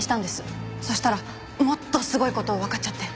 そしたらもっとすごい事わかっちゃって。